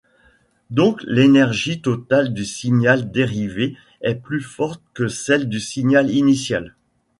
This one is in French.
Donc l'énergie totale du signal dérivé est plus forte que celle du signal initial.